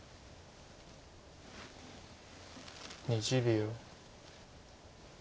２０秒。